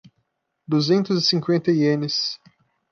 Duzentos e cinquenta ienes